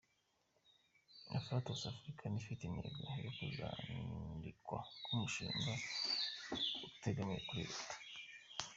Afflatus Africa ni ifite intego yo kuzandikwa nk’umushinga utegamiye kuri Leta.